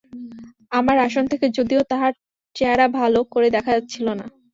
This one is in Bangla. আমার আসন থেকে যদিও তার চেহারা ভালো করে দেখা যাচ্ছিল না।